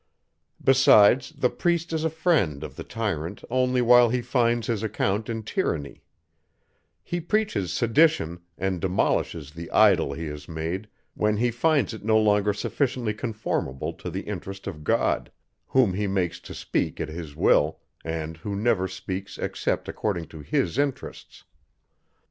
Besides, the priest is a friend of the tyrant only while he finds his account in tyranny; he preaches sedition, and demolishes the idol he has made, when he finds it no longer sufficiently conformable to the interest of God, whom he makes to speak at his will, and who never speaks except according to his interests.